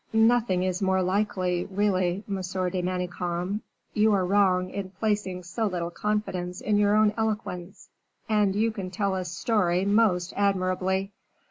"Nothing is more likely; really, Monsieur de Manicamp, you are wrong in placing so little confidence in your own eloquence, and you can tell a story most admirably."